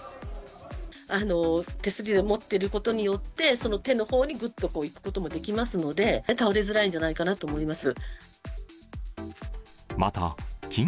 手すりを持ってることによって、その手のほうにぐっといくこともできますので、倒れづらいんじゃないかなと思います。